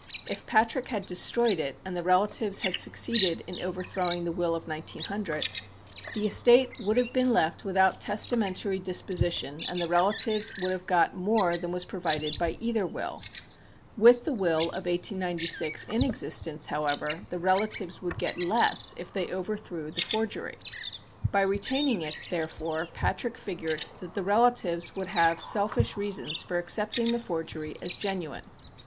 If Patrick had destroyed it and the relatives had succeeded in overthrowing the will of 1900, the estate would have been left without testamentary disposition and the relatives would have got more than was provided by either will. With the will of 1896 in existence, however, the relatives would get less if they overthrew the forgery. By retaining it, therefore, Patrick figured that the relatives would have selfish reasons for accepting the forgery as genuine.